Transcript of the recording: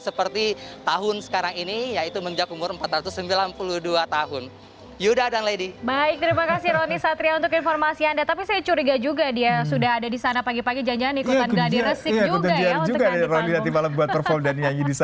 seperti tahun sekarang ini yaitu menjejak umur empat ratus sembilan puluh dua tahun